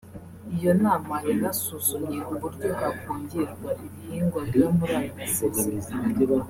Iyo nama yanasuzumye uburyo hakongerwa ibihingwa biba muri ayo masezerano